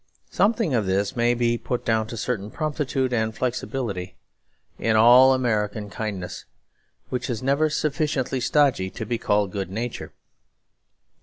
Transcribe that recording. Something of this may be put down to a certain promptitude and flexibility in all American kindness, which is never sufficiently stodgy to be called good nature.